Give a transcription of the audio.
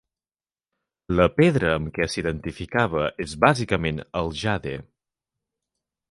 La pedra amb què s'identifica és bàsicament el jade.